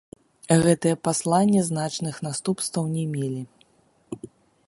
Гэтыя паслання значных наступстваў не мелі.